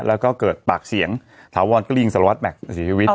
แล้วก็เกิดปากเสียงถาวรก็ริงสละวัดแม็กซ์สิวิทย์